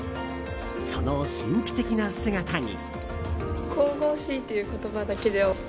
その神秘的な姿に。